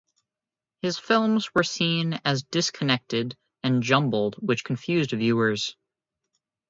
His films were seen as disconnected and jumbled which confused viewers.